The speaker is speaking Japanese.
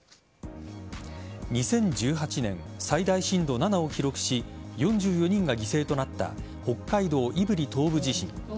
２０１８年、最大震度７を記録し４４人が犠牲となった北海道胆振東部地震。